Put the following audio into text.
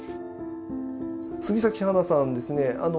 杉咲花さんですね